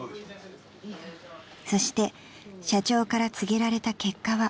［そして社長から告げられた結果は］